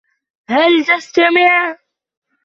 هل تستمع ؟